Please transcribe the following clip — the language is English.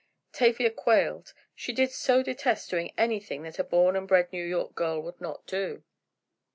Tavia quailed, she did so detest doing anything that a born and bred New York girl would not do.